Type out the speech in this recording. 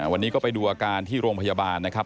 วันนี้ก็ไปดูอาการที่โรงพยาบาลนะครับ